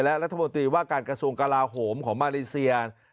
และรัฐมนตรีว่าการกระทรวงกลาโหมของมาเลเซีย